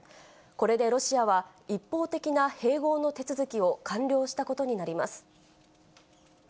これでロシアは、一方的な併合の手続きを完了したことになります。